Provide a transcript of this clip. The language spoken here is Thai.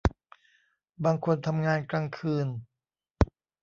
บางคนทำงานกลางคืน